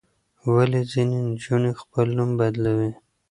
ولې ځینې نجونې خپل نوم بدلوي؟